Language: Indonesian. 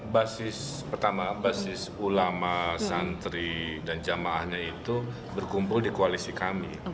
basis pertama basis ulama santri dan jamaahnya itu berkumpul di koalisi kami